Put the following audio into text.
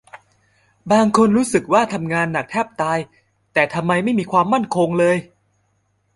บางคนรู้สึกว่าทำงานหนักแทบตาย แต่ทำไมไม่มีความมั่นคงเลย